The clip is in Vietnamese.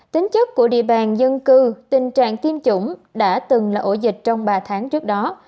tính chất của địa bàn dân cư tình trạng tiêm chủng đã từng là ổ dịch trong ba tháng trước đó